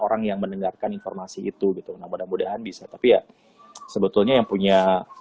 orang yang mendengarkan informasi itu gitu nah mudah mudahan bisa tapi ya sebetulnya yang punya